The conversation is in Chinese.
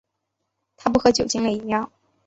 他不喝酒精类饮料。